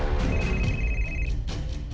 tapi seharusnya kena batik tol yuk